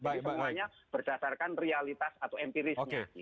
jadi semuanya berdasarkan realitas atau empirisnya gitu